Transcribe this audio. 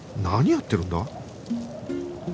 何やってるんだ？